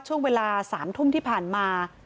ช่วงเวลา๓ทุ่มที่ผ่านมา